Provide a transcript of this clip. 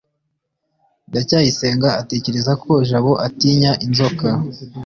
ndacyayisenga atekereza ko jabo atinya inzoka